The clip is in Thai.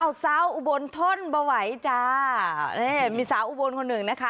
เอาซาวอุบลท่นเบาไหวจ้านี่มีสาวอุบลคนหนึ่งนะคะ